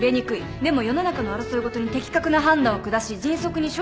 でも世の中の争い事に的確な判断を下し迅速に処理し続ける。